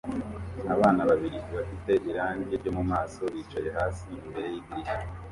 Abana babiri bafite irangi ryo mumaso bicaye hasi imbere yidirishya